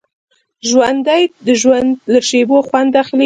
ژوندي د ژوند له شېبو خوند اخلي